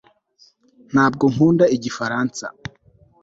ntabwo nkunda igifaransa